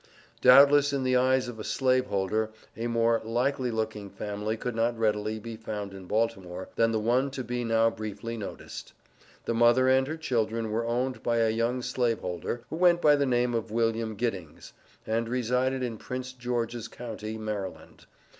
Doubtless, in the eyes of a Slaveholder, a more "likely looking" family could not readily be found in Baltimore, than the one to be now briefly noticed. The mother and her children were owned by a young slave holder, who went by the name of William Giddings, and resided in Prince George's county, Md.